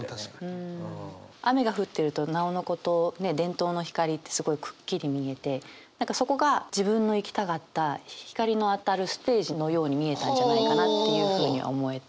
雨が降ってるとなおのことねっ電灯の光ってすごいくっきり見えて何かそこが自分の行きたかった光の当たるステージのように見えたんじゃないかなっていうふうに思えて。